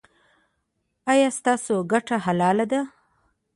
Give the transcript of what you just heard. ایا ستاسو ګټه حلاله ده؟